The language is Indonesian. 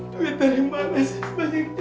duit dari mana sih